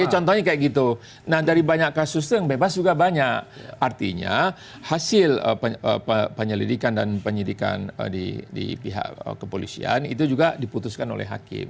contohnya kayak gitu nah dari banyak kasus itu yang bebas juga banyak artinya hasil penyelidikan dan penyidikan di pihak kepolisian itu juga diputuskan oleh hakim